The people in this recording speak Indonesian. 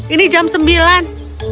ini jam sembilan